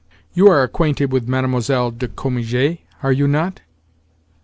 "You are acquainted with Mlle. de Cominges, are you not?"